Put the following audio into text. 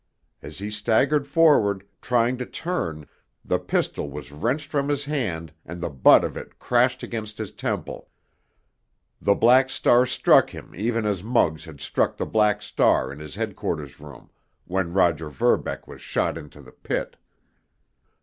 As he staggered forward, trying to turn, the pistol was wrenched from his hand and the butt of it crashed against his temple. The Black Star struck him even as Muggs had struck the Black Star in his headquarters room, when Roger Verbeck was shot into the pit.